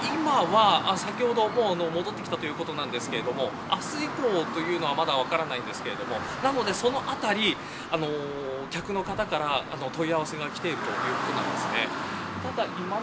先ほど戻ってきたということですが明日以降はまだ分からないんですがそのあたり、客の方から問い合わせがきているということです。